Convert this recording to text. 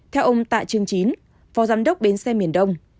theo ông tạ trương chín phó giám đốc bến xe miền đông